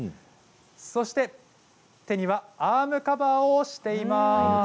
そして、手にはアームカバーをしています。